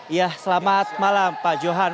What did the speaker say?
ya selamat malam pak johan